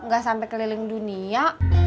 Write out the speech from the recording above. gak sampai keliling dunia